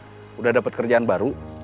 sudah mendapatkan pekerjaan terbaru